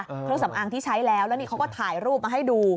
เครื่องสำอางที่ใช้แล้วแล้วนี่เขาก็ถ่ายรูปมาให้ดู